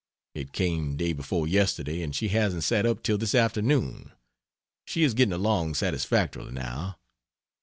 It came day before yesterday, and she hasn't sat up till this afternoon. She is getting along satisfactorily, now.